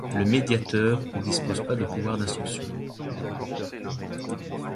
Le médiateur ne dispose pas de pouvoirs d'instruction.